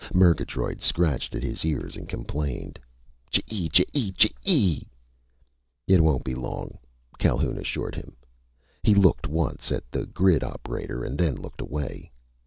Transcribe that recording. Murgatroyd scratched at his ears and complained: "Chee! Chee! Chee!" "It won't be long," Calhoun assured him. He looked once at the grid operator and then looked away.